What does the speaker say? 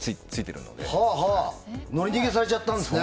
乗り逃げされちゃったんですね。